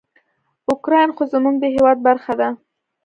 اوکراین خو زموږ د هیواد برخه ده.